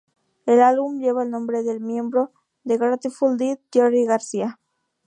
El álbum lleva el nombre del miembro de Grateful Dead Jerry García.